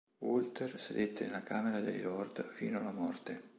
Walter sedette nella camera dei lord fino alla morte.